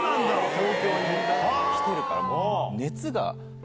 東京に来てるから。